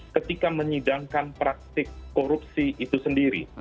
ketika menyidangkan praktik korupsi itu sendiri